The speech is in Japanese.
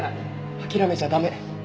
諦めちゃ駄目。